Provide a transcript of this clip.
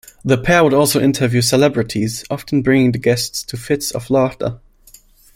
The pair would also interview celebrities, often bringing the guests to fits of laughter.